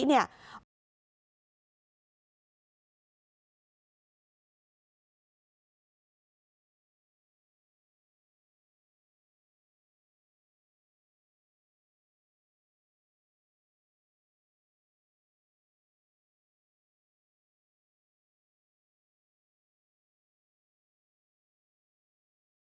เกิดว่าตำรวจไปสืบจนรู้ว่ามีคนในมลนิธิ